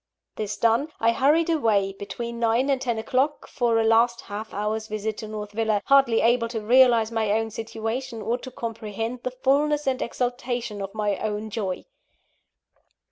This done, I hurried away, between nine and ten o'clock, for a last half hour's visit to North Villa; hardly able to realise my own situation, or to comprehend the fulness and exaltation of my own joy.